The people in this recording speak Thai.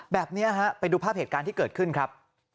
แบบนี้ฮะไปดูภาพเหตุการณ์ที่เกิดขึ้นครับ